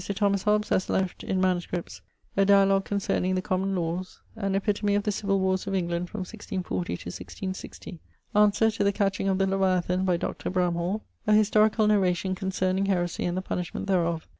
Thomas Hobbes in MSS. A dialogue concerning the common lawes. An epitome of the Civil Warres of England from 1640 to 1660. Answer to The Catching of the Leviathan by Dr. Bramhall. A historical narration concerning heresy and the punishment thereof.